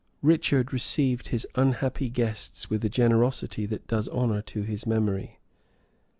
Richard received his unhappy guests with a generosity that does honor to his memory.